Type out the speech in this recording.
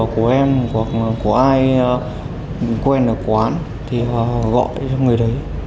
của em hoặc của ai quen ở quán thì gọi cho người đấy